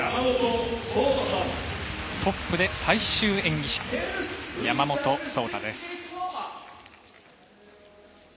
トップで最終演技者山本草太です。